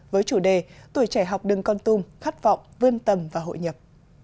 với chủ đề tuổi trẻ học đừng con tum khát vọng vươn tâm và hội nhập